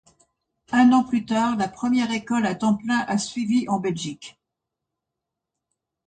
Un an plus tard, la première école à temps plein a suivi en Belgique.